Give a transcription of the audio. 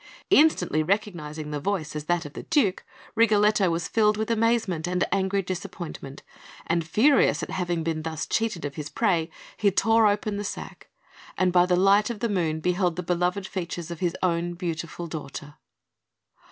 Instantly recognising the voice as that of the Duke, Rigoletto was filled with amazement and angry disappointment; and furious at having been thus cheated of his prey, he tore open the sack, and by the light of the moon beheld the beloved features of his own beautiful daughter!